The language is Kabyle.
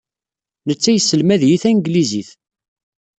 Netta yesselmad-iyi tanglizit.